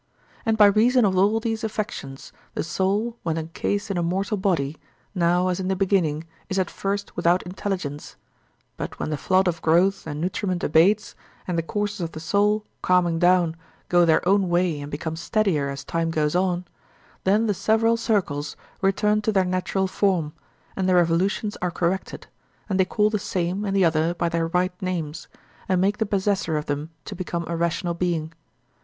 And by reason of all these affections, the soul, when encased in a mortal body, now, as in the beginning, is at first without intelligence; but when the flood of growth and nutriment abates, and the courses of the soul, calming down, go their own way and become steadier as time goes on, then the several circles return to their natural form, and their revolutions are corrected, and they call the same and the other by their right names, and make the possessor of them to become a rational being.